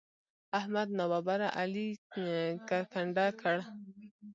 احمد ناببره علي کرکنډه کړ.